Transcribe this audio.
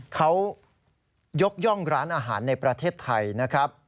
เขายกย่องร้านอาหารในประเทศไทยนะครับ